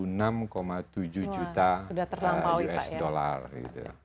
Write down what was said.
wah sudah terlampaui pak ya